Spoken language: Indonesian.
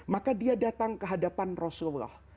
maka dia datang ke hadapan rasulullah